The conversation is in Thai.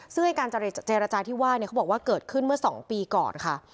ซึ่งการเจรจาที่ว่าเขาบอกว่าเกิดขึ้นเมื่อ๒ปีก่อนค่ะ